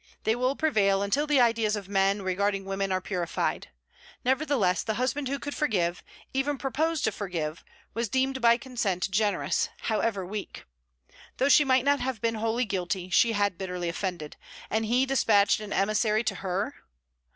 They will prevail until the ideas of men regarding women are purified. Nevertheless the husband who could forgive, even propose to forgive, was deemed by consent generous, however weak. Though she might not have been wholly guilty, she had bitterly offended. And he despatched an emissary to her?